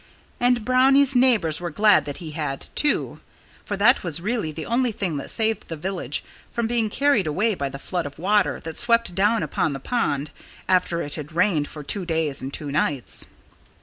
And Brownie's neighbors were glad that he had, too. For that was really the only thing that saved the village from being carried away by the flood of water that swept down upon the pond, after it had rained for two days and two nights.